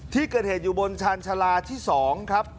ที่เกิดเหตุอยู่บนชาญชาลาที่๒ครับ